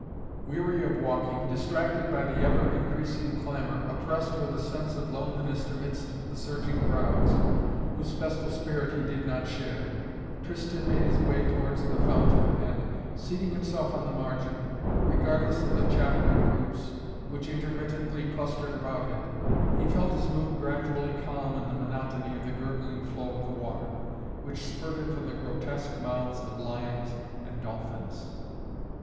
Weary of walking, distracted by the ever increasing clamor, oppressed with a sense of loneliness amidst the surging crowds, whose festal spirit he did not share, Tristan made his way towards the fountain and, seating himself on the margin, regardless of the chattering groups, which intermittently clustered about it, he felt his mood gradually calm in the monotony of the gurgling flow of the water, which spurted from the grotesque mouths of lions and dolphins.